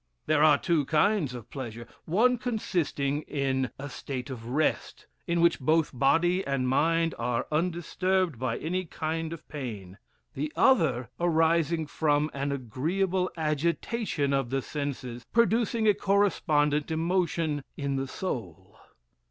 There are two kinds of pleasure: one consisting in a state of rest, in which both body and mind are undisturbed by any kind of pain; the other arising from an agreeable agitation of the senses, producing a correspondent emotion in the soul.